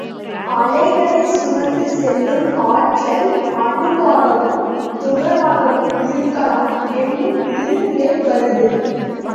அலைகளைச் சுமந்து செல்லும் ஆற்றல் அணுவாகவும் துகளாகவும் இருக்கலாம் என்னும் இரு நிலைக் கருத்து.